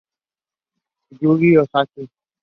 Yuji Ozaki